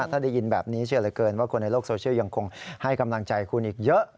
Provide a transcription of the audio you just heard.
ถ้าได้ยินแบบนี้เชื่อเหลือเกินว่าคนในโลกโซเชียลยังคงให้กำลังใจคุณอีกเยอะ